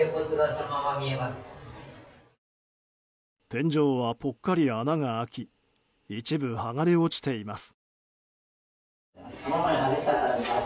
天井はぽっかり穴が開き一部剥がれ落ちています。